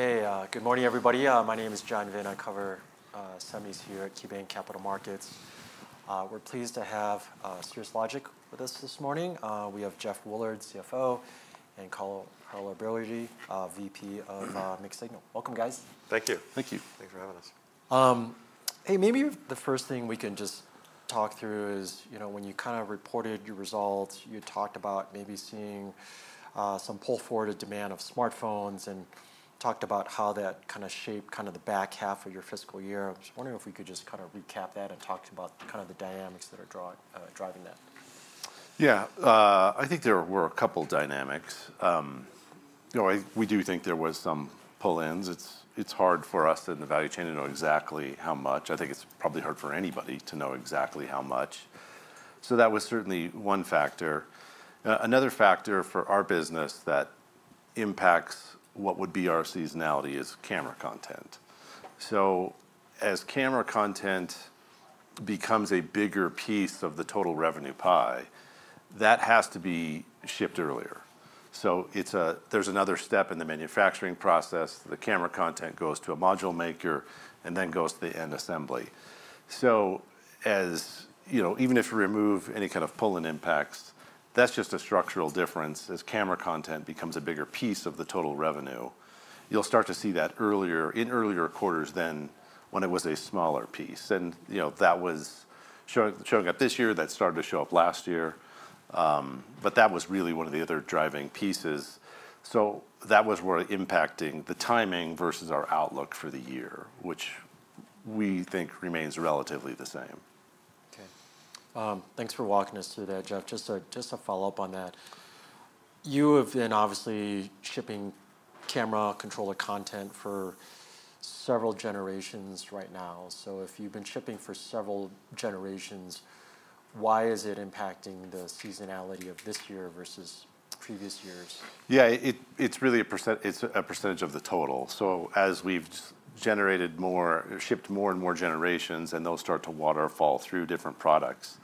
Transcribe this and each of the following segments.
Okay, good morning everybody. My name is John Vinh. I cover semis here at KeyBanc Capital Markets. We're pleased to have Cirrus Logic with us this morning. We have Jeff Woolard, CFO, and Carl Alberty, VP of Mixed Signal. Welcome, guys. Thank you. Thank you. Thanks for having us. Hey, maybe the first thing we can just talk through is, you know, when you kind of reported your results, you talked about maybe seeing some pull forward in demand of smartphones and talked about how that kind of shaped the back half of your fiscal year. I'm just wondering if we could just recap that and talk about the dynamics that are driving that. Yeah, I think there were a couple of dynamics. We do think there were some pull-ins. It's hard for us in the value chain to know exactly how much. I think it's probably hard for anybody to know exactly how much. That was certainly one factor. Another factor for our business that impacts what would be our seasonality is camera content. As camera content becomes a bigger piece of the total revenue pie, that has to be shipped earlier. There's another step in the manufacturing process. The camera content goes to a module maker and then goes to the end assembly. Even if you remove any kind of pull-in impacts, that's just a structural difference. As camera content becomes a bigger piece of the total revenue, you'll start to see that earlier, in earlier quarters than when it was a smaller piece. That was showing up this year, that started to show up last year. That was really one of the other driving pieces. That was where impacting the timing versus our outlook for the year, which we think remains relatively the same. Okay. Thanks for walking us through that, Jeff. Just to follow up on that, you have been obviously shipping camera controller content for several generations right now. If you've been shipping for several generations, why is it impacting the seasonality of this year versus previous years? Yeah, it's really a percentage of the total. As we've generated more, shipped more and more generations, and those start to waterfall through different products,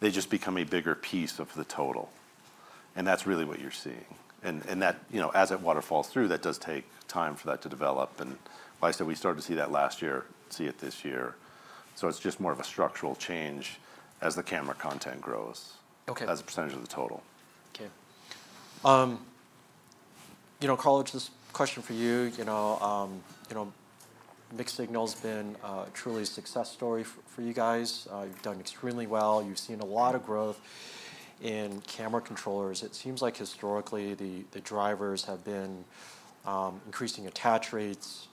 they just become a bigger piece of the total. That's really what you're seeing. As it waterfalls through, that does take time for that to develop. Like I said, we started to see that last year, see it this year. It's just more of a structural change as the camera content grows. Okay. As a percentage of the total. Okay. You know, Carl, just a question for you. You know, Mixed-Signal has been truly a success story for you guys. You've done extremely well. You've seen a lot of growth in camera controllers. It seems like historically the drivers have been increasing attach rates,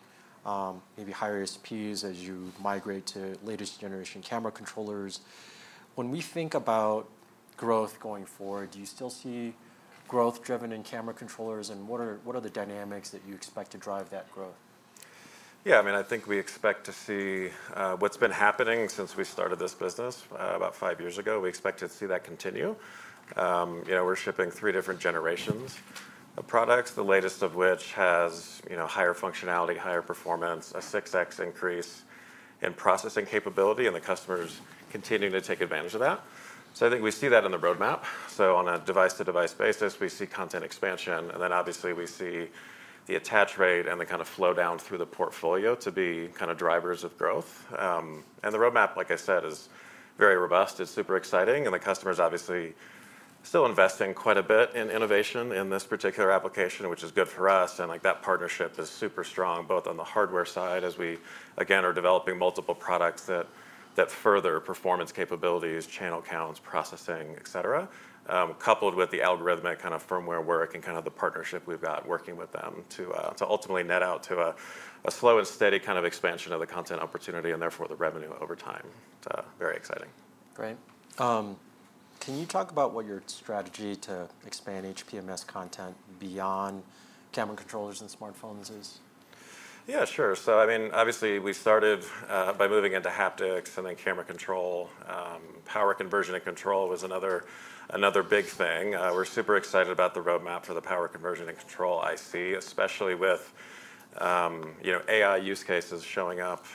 maybe higher ASPs as you migrate to latest generation camera controllers. When we think about growth going forward, do you still see growth driven in camera controllers? What are the dynamics that you expect to drive that growth? Yeah, I mean, I think we expect to see what's been happening since we started this business about five years ago. We expect to see that continue. We're shipping three different generations of products, the latest of which has higher functionality, higher performance, a 6x increase in processing capability, and the customers continue to take advantage of that. I think we see that in the roadmap. On a device-to-device basis, we see content expansion, and obviously we see the attach rate and the kind of flow down through the portfolio to be kind of drivers of growth. The roadmap, like I said, is very robust. It's super exciting, and the customer is obviously still investing quite a bit in innovation in this particular application, which is good for us. That partnership is super strong, both on the hardware side, as we again are developing multiple products that further performance capabilities, channel counts, processing, et cetera, coupled with the algorithmic kind of firmware work and the partnership we've got working with them to ultimately net out to a slow and steady kind of expansion of the content opportunity and therefore the revenue over time. It's very exciting. Great. Can you talk about what your strategy to expand HPMS content beyond camera controllers and smartphones is? Yeah, sure. Obviously, we started by moving into haptics and then camera control. Power conversion and control was another big thing. We're super excited about the roadmap for the power conversion and control IC, especially with AI use cases showing up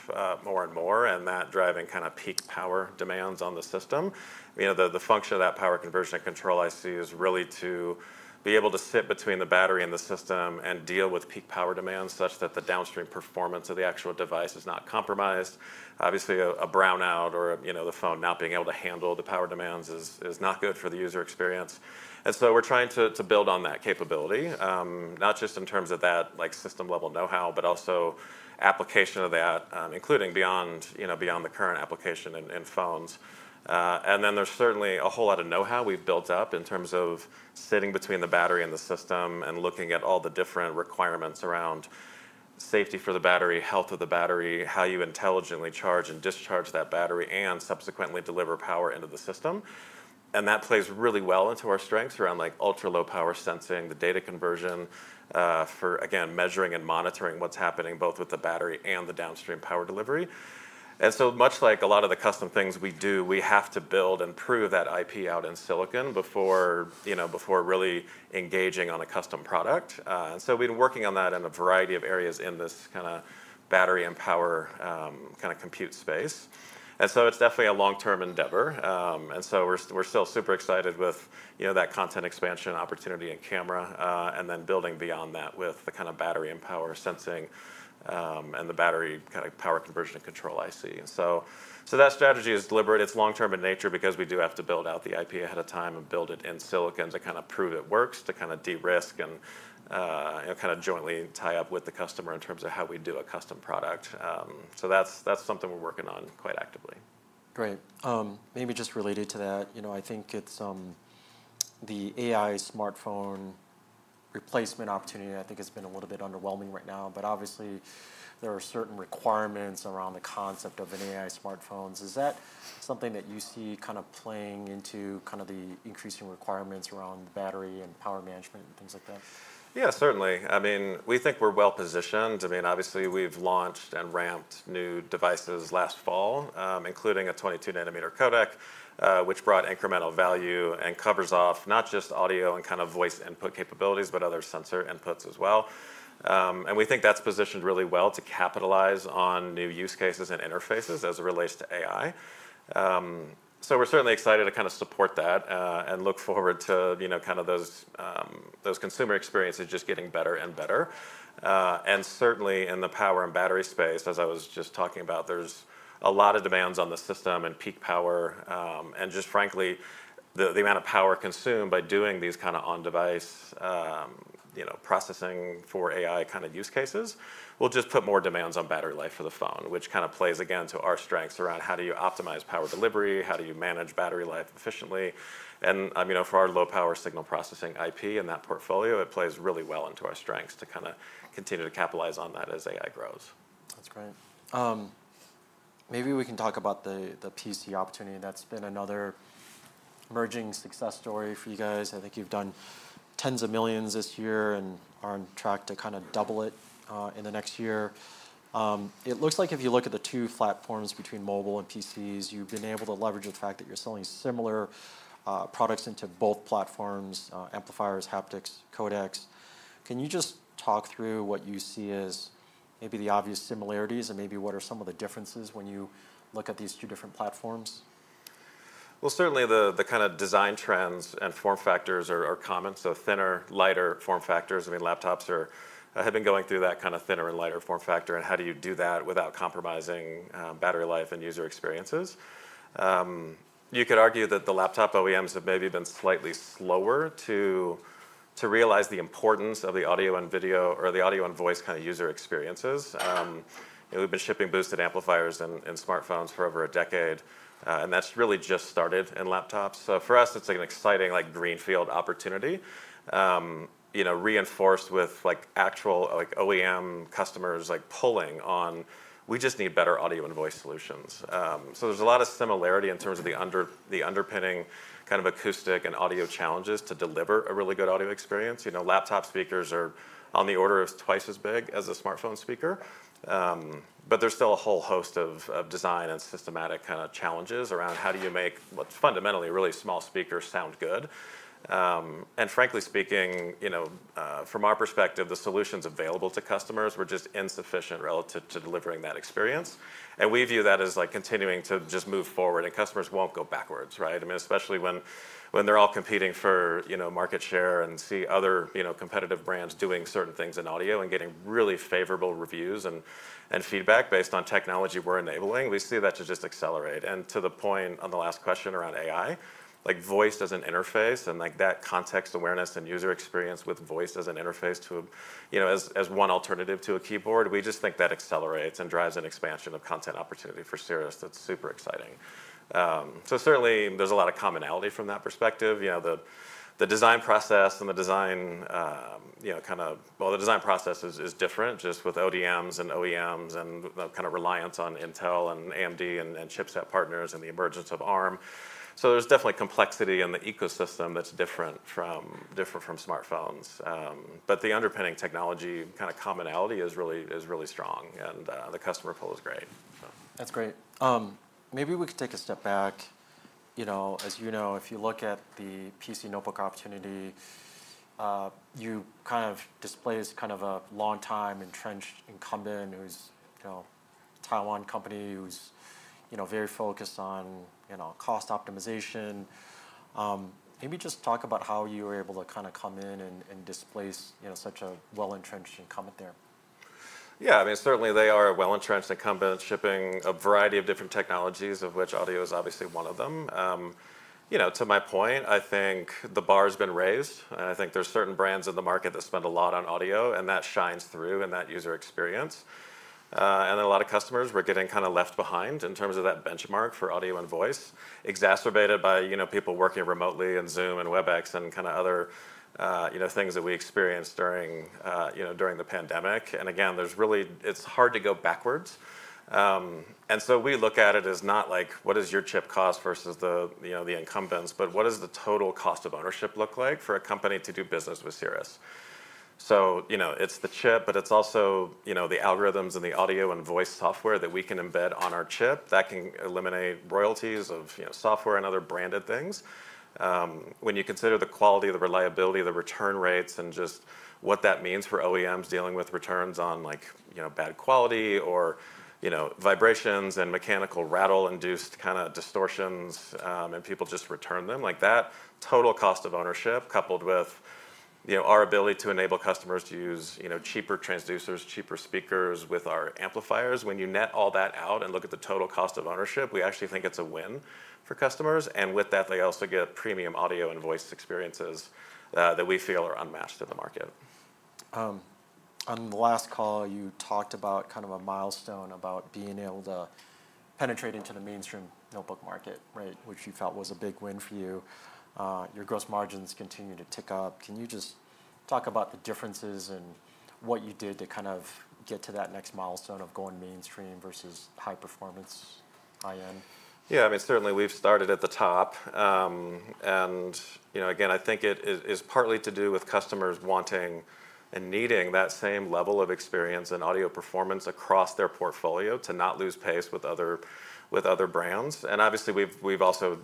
more and more and that driving kind of peak power demands on the system. The function of that power conversion and control IC is really to be able to sit between the battery and the system and deal with peak power demands such that the downstream performance of the actual device is not compromised. Obviously, a brownout or the phone not being able to handle the power demands is not good for the user experience. We're trying to build on that capability, not just in terms of that system level know-how, but also application of that, including beyond the current application in phones. There's certainly a whole lot of know-how we've built up in terms of sitting between the battery and the system and looking at all the different requirements around safety for the battery, health of the battery, how you intelligently charge and discharge that battery, and subsequently deliver power into the system. That plays really well into our strengths around ultra low power sensing, the data conversion for, again, measuring and monitoring what's happening both with the battery and the downstream power delivery. Much like a lot of the custom things we do, we have to build and prove that IP out in silicon before really engaging on a custom product. We've been working on that in a variety of areas in this kind of battery and power kind of compute space. It's definitely a long-term endeavor. We're still super excited with that content expansion opportunity and camera, and then building beyond that with the kind of battery and power sensing and the battery kind of power conversion and control IC. That strategy is deliberate. It's long-term in nature because we do have to build out the IP ahead of time and build it in silicon to prove it works, to de-risk and jointly tie up with the customer in terms of how we do a custom product. That's something we're working on quite actively. Great. Maybe just related to that, I think it's the AI smartphone replacement opportunity that I think has been a little bit underwhelming right now. Obviously, there are certain requirements around the concept of an AI smartphone. Is that something that you see playing into the increasing requirements around battery and power management and things like that? Yeah, certainly. I mean, we think we're well positioned. Obviously, we've launched and ramped new devices last fall, including a 22 nm smart codec, which brought incremental value and covers off not just audio and kind of voice input capabilities, but other sensor inputs as well. We think that's positioned really well to capitalize on new use cases and interfaces as it relates to AI. We're certainly excited to support that and look forward to those consumer experiences just getting better and better. Certainly in the power and battery space, as I was just talking about, there's a lot of demands on the system and peak power. Frankly, the amount of power consumed by doing these kind of on-device processing for AI-driven use cases will just put more demands on battery life for the phone, which plays again to our strengths around how do you optimize power delivery, how do you manage battery life efficiently. For our low power signal processing IP in that portfolio, it plays really well into our strengths to continue to capitalize on that as AI grows. That's great. Maybe we can talk about the PC opportunity. That's been another emerging success story for you guys. I think you've done tens of millions this year and are on track to kind of double it in the next year. It looks like if you look at the two platforms between mobile and PCs, you've been able to leverage the fact that you're selling similar products into both platforms: amplifiers, haptics, codecs. Can you just talk through what you see as maybe the obvious similarities and maybe what are some of the differences when you look at these two different platforms? Certainly, the kind of design trends and form factors are common. Thinner, lighter form factors. I mean, laptops have been going through that kind of thinner and lighter form factor. How do you do that without compromising battery life and user experiences? You could argue that the laptop OEMs have maybe been slightly slower to realize the importance of the audio and video or the audio and voice kind of user experiences. We've been shipping boosted amplifiers in smartphones for over a decade, and that's really just started in laptops. For us, it's an exciting greenfield opportunity, reinforced with actual OEM customers pulling on, we just need better audio and voice solutions. There's a lot of similarity in terms of the underpinning acoustic and audio challenges to deliver a really good audio experience. Laptop speakers are on the order of twice as big as a smartphone speaker, but there's still a whole host of design and systematic challenges around how do you make what's fundamentally really small speakers sound good. Frankly speaking, from our perspective, the solutions available to customers were just insufficient relative to delivering that experience. We view that as continuing to just move forward, and customers won't go backwards, right? I mean, especially when they're all competing for market share and see other competitive brands doing certain things in audio and getting really favorable reviews and feedback based on technology we're enabling. We see that to just accelerate. To the point on the last question around AI, voice as an interface and that context awareness and user experience with voice as an interface to, as one alternative to a keyboard, we just think that accelerates and drives an expansion of content opportunity for Cirrus. That's super exciting. Certainly there's a lot of commonality from that perspective. The design process is different just with ODMs and OEMs and the kind of reliance on Intel and AMD and chipset partners and the emergence of ARM. There's definitely complexity in the ecosystem that's different from smartphones, but the underpinning technology commonality is really strong and the customer pull is great. That's great. Maybe we could take a step back. As you know, if you look at the PC notebook opportunity, you kind of displaced a long-time entrenched incumbent who's a Taiwan company who's very focused on cost optimization. Maybe just talk about how you were able to come in and displace such a well-entrenched incumbent there. Yeah, I mean, certainly they are a well-entrenched incumbent shipping a variety of different technologies, of which audio is obviously one of them. To my point, I think the bar has been raised and I think there's certain brands in the market that spend a lot on audio and that shines through in that user experience. A lot of customers were getting kind of left behind in terms of that benchmark for audio and voice, exacerbated by people working remotely in Zoom and Webex and other things that we experienced during the pandemic. It's hard to go backwards. We look at it as not like what does your chip cost versus the incumbents, but what does the total cost of ownership look like for a company to do business with Cirrus? It's the chip, but it's also the algorithms and the audio and voice software that we can embed on our chip that can eliminate royalties of software and other branded things. When you consider the quality, the reliability, the return rates, and just what that means for OEMs dealing with returns on bad quality or vibrations and mechanical rattle-induced distortions and people just return them like that. Total cost of ownership coupled with our ability to enable customers to use cheaper transducers, cheaper speakers with our amplifiers. When you net all that out and look at the total cost of ownership, we actually think it's a win for customers. With that, they also get premium audio and voice experiences that we feel are unmatched in the market. On the last call, you talked about kind of a milestone about being able to penetrate into the mainstream notebook market, right? Which you felt was a big win for you. Your gross margins continue to tick up. Can you just talk about the differences and what you did to kind of get to that next milestone of going mainstream versus high performance, high end? Yeah, I mean, certainly we've started at the top. I think it is partly to do with customers wanting and needing that same level of experience and audio performance across their portfolio to not lose pace with other brands. Obviously, we've also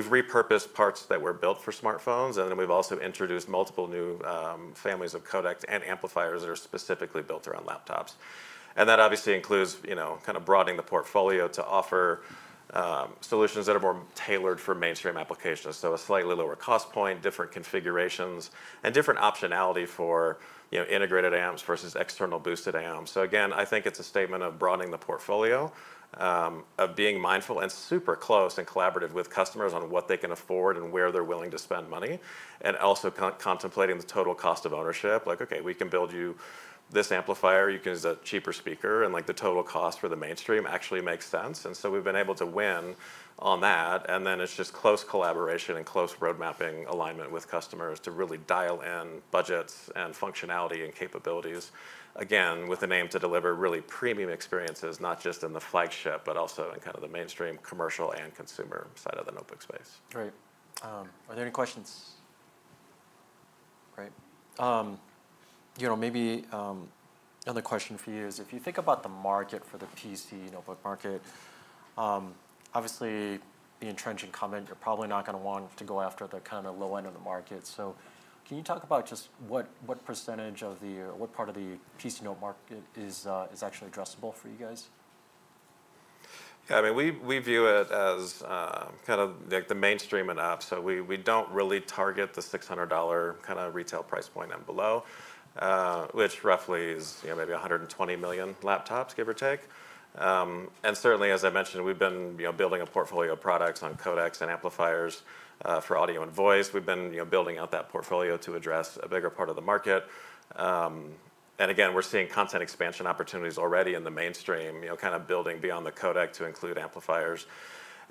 repurposed parts that were built for smartphones. We've also introduced multiple new families of codecs and amplifiers that are specifically built around laptops. That obviously includes broadening the portfolio to offer solutions that are more tailored for mainstream applications, so a slightly lower cost point, different configurations, and different optionality for integrated amps versus external boosted amp. I think it's a statement of broadening the portfolio, of being mindful and super close and collaborative with customers on what they can afford and where they're willing to spend money. Also contemplating the total cost of ownership, like, okay, we can build you this amplifier, you can use a cheaper speaker, and the total cost for the mainstream actually makes sense. We've been able to win on that. It's just close collaboration and close roadmapping alignment with customers to really dial in budgets and functionality and capabilities, with the aim to deliver really premium experiences, not just in the flagship, but also in the mainstream commercial and consumer side of the notebook space. Right. Are there any questions? Great. Maybe another question for you is if you think about the market for the PC notebook market, obviously the entrenched incumbent, you're probably not going to want to go after the kind of the low end of the market. Can you talk about just what percentage of the, what part of the PC notebook market is actually addressable for you guys? Yeah, I mean, we view it as kind of like the mainstream and up. We don't really target the $600 kind of retail price point and below, which roughly is, you know, maybe 120 million laptops, give or take. Certainly, as I mentioned, we've been building a portfolio of products on codecs and amplifiers for audio and voice. We've been building out that portfolio to address a bigger part of the market. Again, we're seeing content expansion opportunities already in the mainstream, kind of building beyond the codec to include amplifiers.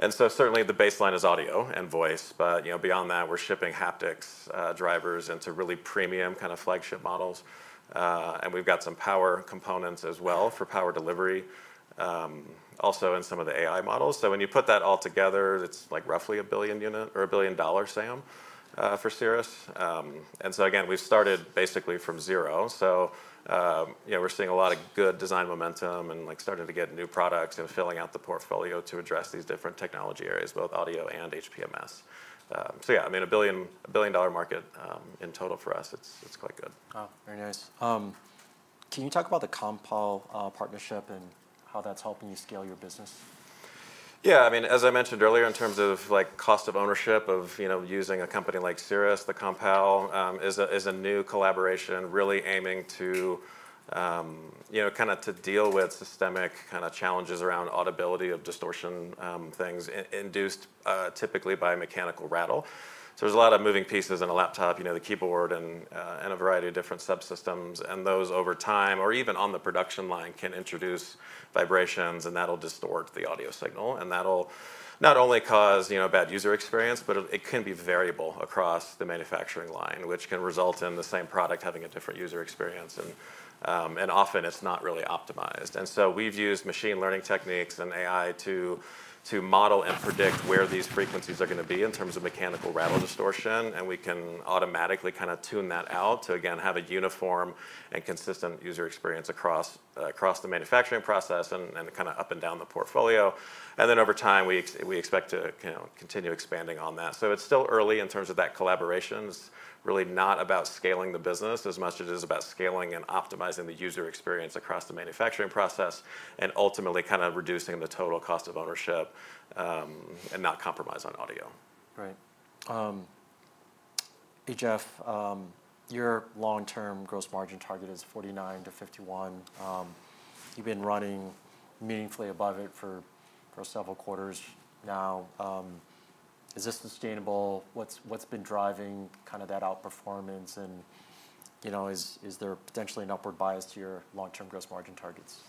Certainly, the baseline is audio and voice, but beyond that, we're shipping haptics drivers into really premium kind of flagship models. We've got some power components as well for power delivery, also in some of the AI models. When you put that all together, it's like roughly a $1 billion unit or a $1 billion market for Cirrus. Again, we've started basically from zero. We're seeing a lot of good design momentum and starting to get new products and filling out the portfolio to address these different technology areas, both audio and HPMS. Yeah, I mean, a $1 billion market in total for us, it's quite good. Oh, very nice. Can you talk about the Compal partnership and how that's helping you scale your business? Yeah, I mean, as I mentioned earlier, in terms of cost of ownership of, you know, using a company like Cirrus, the Compal is a new collaboration really aiming to kind of deal with systemic challenges around audibility of distortion things induced typically by a mechanical rattle. There are a lot of moving pieces in a laptop, you know, the keyboard and a variety of different subsystems. Those over time or even on the production line can introduce vibrations and that'll distort the audio signal. That'll not only cause, you know, bad user experience, but it can be variable across the manufacturing line, which can result in the same product having a different user experience. Often it's not really optimized. We've used machine learning techniques and AI to model and predict where these frequencies are going to be in terms of mechanical rattle distortion. We can automatically kind of tune that out to again have a uniform and consistent user experience across the manufacturing process and up and down the portfolio. Over time, we expect to continue expanding on that. It's still early in terms of that collaboration. It's really not about scaling the business as much as it is about scaling and optimizing the user experience across the manufacturing process and ultimately kind of reducing the total cost of ownership and not compromise on audio. Right. Hey, Jeff, your long-term gross margin target is 49%-51%. You've been running meaningfully above it for several quarters now. Is this sustainable? What's been driving kind of that outperformance? You know, is there potentially an upward bias to your long-term gross margin targets?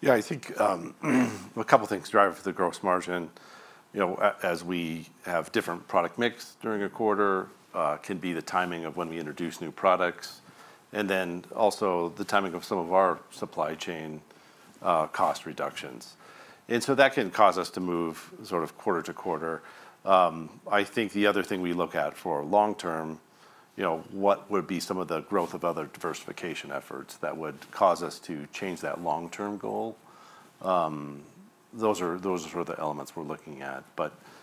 Yeah, I think a couple of things drive the gross margin. As we have different product mix during a quarter, it can be the timing of when we introduce new products and also the timing of some of our supply chain cost reductions. That can cause us to move sort of quarter to quarter. I think the other thing we look at for long term, what would be some of the growth of other diversification efforts that would cause us to change that long-term goal? Those are the elements we're looking at.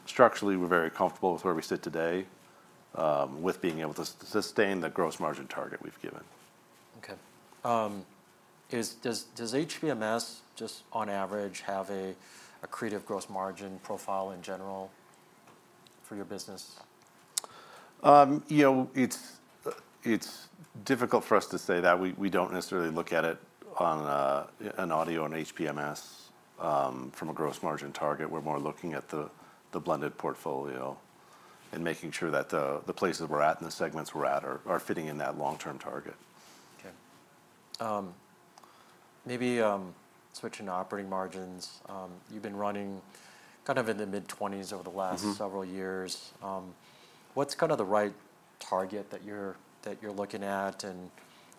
Structurally, we're very comfortable with where we sit today with being able to sustain the gross margin target we've given. Okay. Does HPMS just on average have a creative gross margin profile in general for your business? You know, it's difficult for us to say that. We don't necessarily look at it on an audio and HPMS from a gross margin target. We're more looking at the blended portfolio and making sure that the places we're at and the segments we're at are fitting in that long-term target. Okay. Maybe switching to operating margins, you've been running kind of in the mid-20s over the last several years. What's kind of the right target that you're looking at?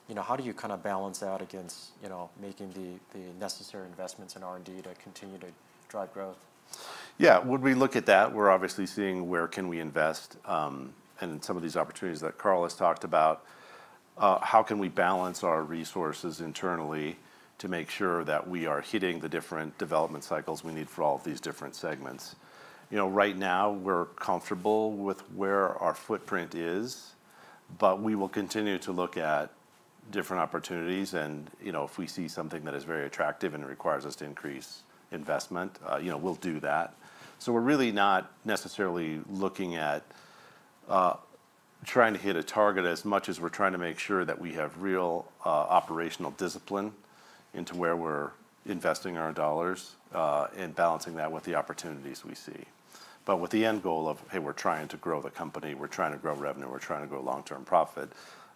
You know, how do you kind of balance that out against, you know, making the necessary investments in R&D to continue to drive growth? Yeah, when we look at that, we're obviously seeing where can we invest and in some of these opportunities that Carl has talked about, how can we balance our resources internally to make sure that we are hitting the different development cycles we need for all of these different segments? Right now we're comfortable with where our footprint is, but we will continue to look at different opportunities. If we see something that is very attractive and requires us to increase investment, we'll do that. We're really not necessarily looking at trying to hit a target as much as we're trying to make sure that we have real operational discipline into where we're investing our dollars and balancing that with the opportunities we see, with the end goal of, hey, we're trying to grow the company, we're trying to grow revenue, we're trying to grow long-term profit.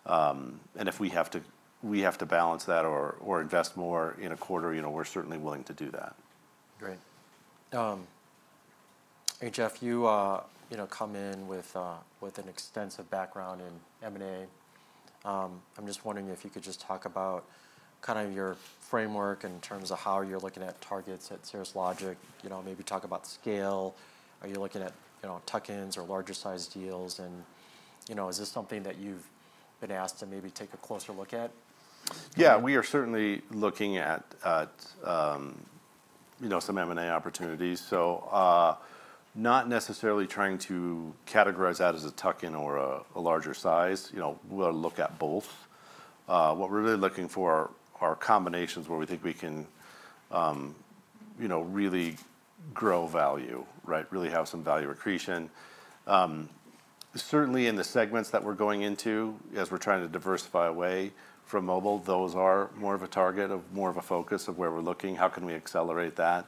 If we have to balance that or invest more in a quarter, we're certainly willing to do that. Great. Hey, Jeff, you come in with an extensive background in M&A. I'm just wondering if you could talk about your framework in terms of how you're looking at targets at Cirrus Logic. Maybe talk about scale. Are you looking at tuck-ins or larger size deals? Is this something that you've been asked to maybe take a closer look at? Yeah, we are certainly looking at, you know, some M&A opportunities. Not necessarily trying to categorize that as a tuck-in or a larger size. We'll look at both. What we're really looking for are combinations where we think we can really grow value, right? Really have some value accretion. Certainly in the segments that we're going into, as we're trying to diversify away from mobile, those are more of a target, more of a focus of where we're looking. How can we accelerate that?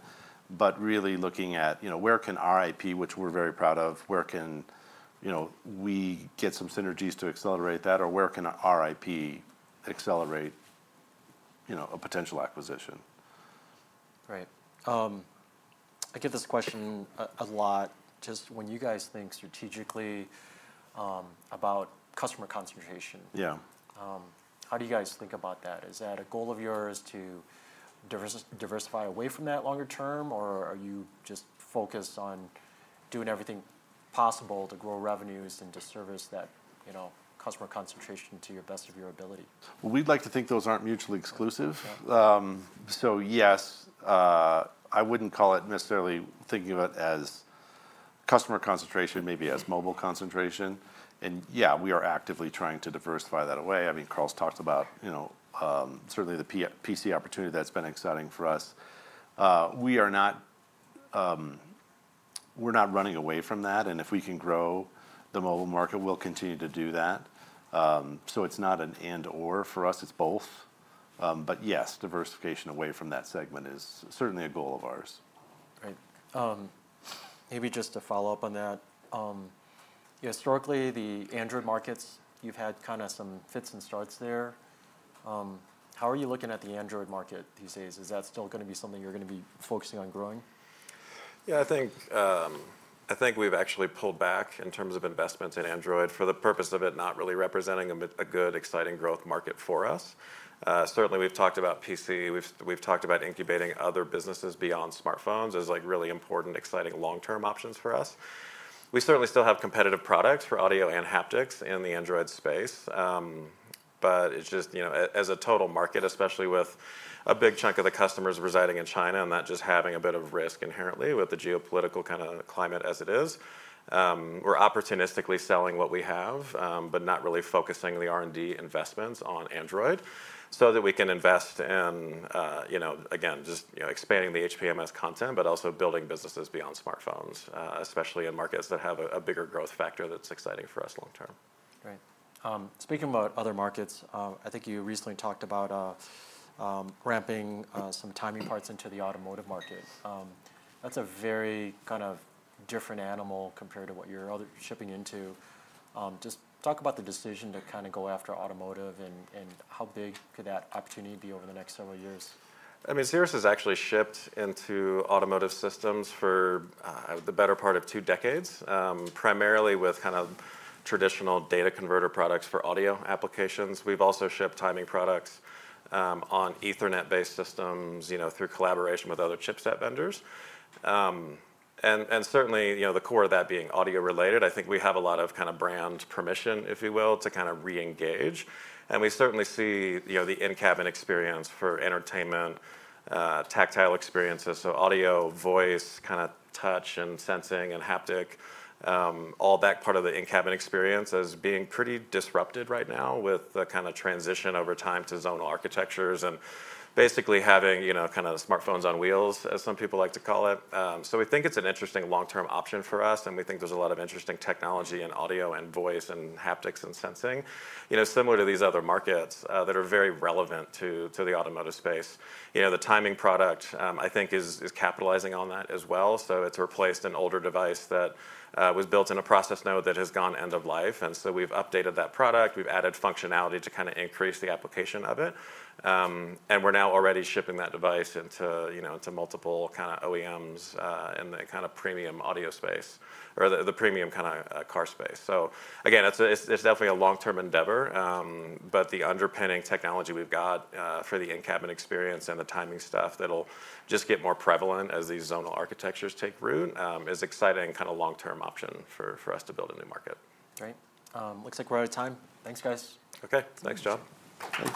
Really looking at where can R&D, which we're very proud of, where can we get some synergies to accelerate that or where can R&D accelerate a potential acquisition. Right. I get this question a lot, just when you guys think strategically about customer concentration. Yeah. How do you guys think about that? Is that a goal of yours to diversify away from that longer term, or are you just focused on doing everything possible to grow revenues and to service that customer concentration to the best of your ability? We'd like to think those aren't mutually exclusive. Yes, I wouldn't call it necessarily thinking of it as customer concentration, maybe as mobile concentration. Yeah, we are actively trying to diversify that away. Carl's talked about, you know, certainly the PC opportunity that's been exciting for us. We are not running away from that. If we can grow the mobile market, we'll continue to do that. It's not an and/or for us, it's both. Yes, diversification away from that segment is certainly a goal of ours. Right. Maybe just to follow up on that, historically, the Android markets, you've had kind of some fits and starts there. How are you looking at the Android market these days? Is that still going to be something you're going to be focusing on growing? Yeah, I think we've actually pulled back in terms of investments in Android for the purpose of it not really representing a good, exciting growth market for us. Certainly, we've talked about PC. We've talked about incubating other businesses beyond smartphones as really important, exciting long-term options for us. We certainly still have competitive products for audio and haptics in the Android space. As a total market, especially with a big chunk of the customers residing in China and just having a bit of risk inherently with the geopolitical kind of climate as it is, we're opportunistically selling what we have, but not really focusing the R&D investments on Android so that we can invest in, again, just expanding the HPMS content, but also building businesses beyond smartphones, especially in markets that have a bigger growth factor that's exciting for us long term. Right. Speaking about other markets, I think you recently talked about ramping some timing parts into the automotive markets. That's a very kind of different animal compared to what you're shipping into. Just talk about the decision to kind of go after automotive and how big could that opportunity be over the next several years? I mean, Cirrus has actually shipped into automotive systems for the better part of two decades, primarily with kind of traditional data converter products for audio applications. We've also shipped timing products on Ethernet-based systems through collaboration with other chipset vendors. Certainly, the core of that being audio related, I think we have a lot of kind of brand permission, if you will, to kind of re-engage. We certainly see the in-cabin experience for entertainment, tactile experiences. Audio, voice, kind of touch and sensing and haptic, all that part of the in-cabin experience is being pretty disrupted right now with the kind of transition over time to zone architectures and basically having smartphones on wheels, as some people like to call it. We think it's an interesting long-term option for us. We think there's a lot of interesting technology in audio and voice and haptics and sensing, similar to these other markets that are very relevant to the automotive space. The timing product, I think, is capitalizing on that as well. It's replaced an older device that was built in a process node that has gone end of life. We've updated that product. We've added functionality to kind of increase the application of it. We're now already shipping that device into multiple kind of OEMs in the premium audio space or the premium kind of car space. It's definitely a long-term endeavor. The underpinning technology we've got for the in-cabin experience and the timing stuff that'll just get more prevalent as these zonal architectures take root is an exciting kind of long-term option for us to build a new market. Right. Looks like we're out of time. Thanks, guys. Okay. Thanks, Jeff. Thanks.